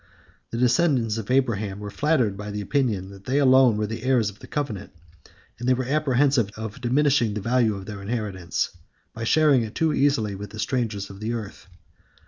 The descendants of Abraham were flattered by the opinion that they alone were the heirs of the covenant, and they were apprehensive of diminishing the value of their inheritance by sharing it too easily with the strangers of the earth.